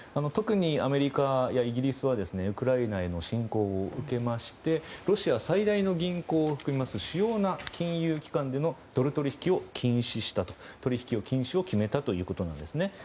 特にアメリカやイギリスはウクライナへの侵攻を受けましてロシア最大の銀行を含みます主要な金融機関でのドル取引を禁止した取引の禁止を決めたということなんですね。